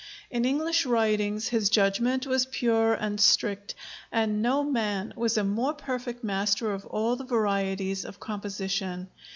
In English writings his judgment was pure and strict; and no man was a more perfect master of all the varieties of composition.